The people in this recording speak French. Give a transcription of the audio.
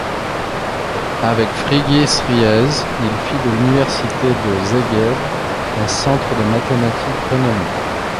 Avec Frigyes Riesz, il fit de l'université de Szeged un centre de mathématiques renommé.